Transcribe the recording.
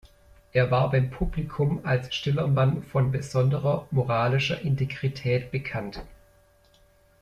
Er war beim Publikum als stiller Mann von besonderer moralischer Integrität bekannt.